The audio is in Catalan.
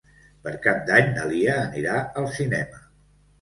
Per Cap d'Any na Lia anirà al cinema.